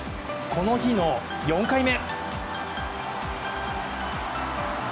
この日の４回目。